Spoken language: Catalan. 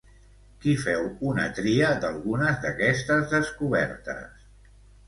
Qui feu un tria d'algunes d'aquestes descobertes?